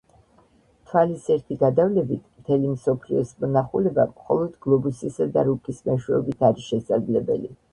თვალის ერთი გადავლებით მთელი მსოფლიოს ''მონახულება" მხოლოდ გლობუსისა და რუკის მეშვეობით არის შესაძლებელი.